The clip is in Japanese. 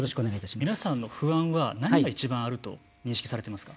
皆さんの不安は何がいちばんあると認識されていますか。